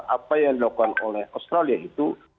apa yang dilakukan oleh australia itu